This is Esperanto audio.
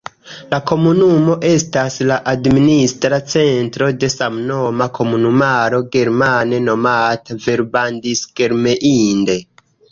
La komunumo estas la administra centro de samnoma komunumaro, germane nomata "Verbandsgemeinde".